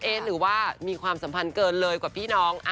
หรือว่ามีความสัมพันธ์เกินเลยกว่าพี่น้อง